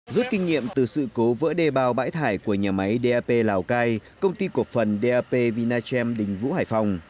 rút kinh nghiệm từ sự cố vỡ đê bao bãi thải của nhà máy dap lào cai công ty cổ phần dap vinachem đình vũ hải phòng